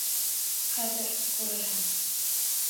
Хәҙер, күрерһең...